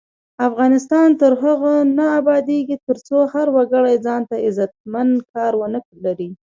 افغانستان تر هغو نه ابادیږي، ترڅو هر وګړی ځانته عزتمن کار ونه لري.